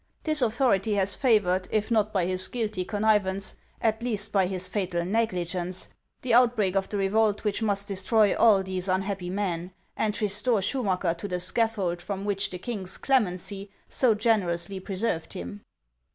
This authority has favored, if not by his guilty connivance, at least by his fatal negligence, the outbreak of the revolt which must destroy all these unhappy men, and restore Schumacker to the scaffold from which the king's clemency so generously preserved him."